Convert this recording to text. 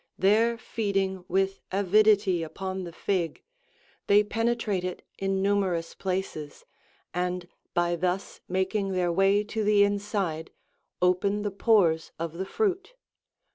There feeding with avidity upon the fig, they penetrate it in numerous places, and by thus making their way to the inside, open the pores of the fruit.